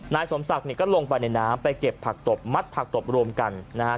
นายสมศักดิ์เนี่ยก็ลงไปในน้ำไปเก็บผักตบมัดผักตบรวมกันนะฮะ